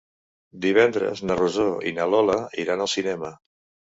Divendres na Rosó i na Lola iran al cinema.